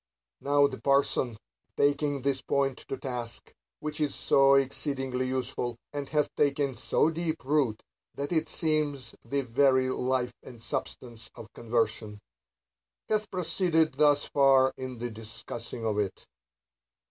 Now the parson, taking this point to task (which is so exceeding useful, and hath taken so deep root that it seems the very life and substance of conversation), hath proceeded thus far in the discussing of it.